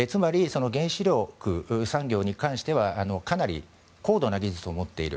つまり、原子力産業に関してはかなり高度な技術を持っている。